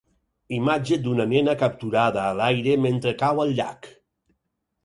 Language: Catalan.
Imatge d'una nena capturada a l'aire mentre cau al llac.